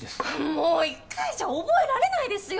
もう１回じゃ覚えられないですよ。